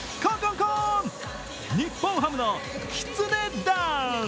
コーン、日本ハムのきつねダンス。